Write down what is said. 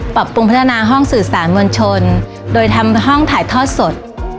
ปรับปรุงพัฒนาห้องสื่อสารมวลชนโดยทำห้องถ่ายทอดสด